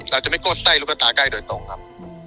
เราจะไม่กดไส้ลูกตาใกล้โดยตรงครับ